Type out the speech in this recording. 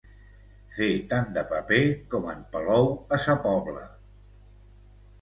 Fer tant de paper com en Palou a Sa Pobla.